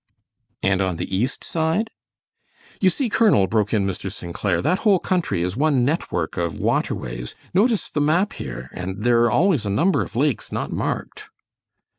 "And on the east side?" "You see, Colonel," broke in Mr. St. Clair, "that whole country is one net work of water ways. Notice the map here; and there are always a number of lakes not marked."